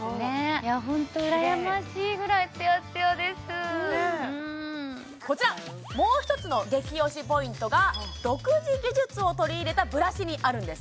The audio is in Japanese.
いやホント羨ましいぐらいツヤツヤですこちらもう一つの激推しポイントが独自技術を取り入れたブラシにあるんです